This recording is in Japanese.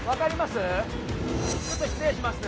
ちょっと失礼しますね